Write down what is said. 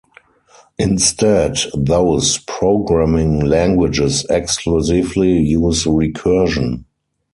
Instead, those programming languages exclusively use recursion.